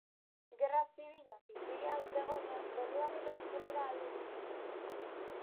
Gerra Zibila pil pilean zegoenean, Donibane Lohizunera alde egin zuen.